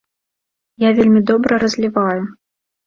Я вельмі добра разліваю.